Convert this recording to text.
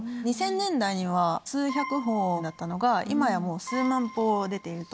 ２０００年代には数百報だったのが今やもう数万報出ていると。